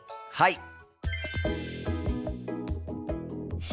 はい！